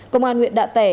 công an huyện đạ tẻ